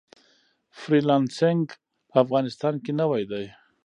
فری لانسینګ په افغانستان کې نوی دی